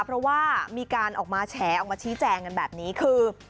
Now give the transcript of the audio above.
เพราะว่ามีการออกมาแฉออกมาชี้แจงกันแบบนี้คือ